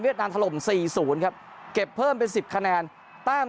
เวียดนามถลมสี่ศูนย์ครับเก็บเพิ่มเป็นสิบคะแนนตั้ง